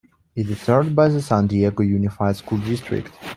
It is served by the San Diego Unified School District.